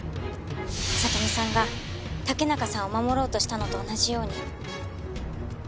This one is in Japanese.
里美さんが竹中さんを守ろうとしたのと同じように。